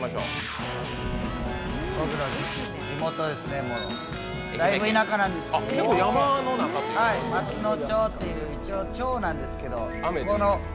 僕の地元、だいぶ田舎なんですけど松野町っていう、一応、「町」なんですけど。